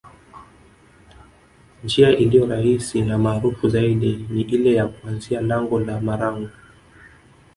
Njia iliyo rahisi na maarufu zaidi ni ile ya kuanzia lango la Marangu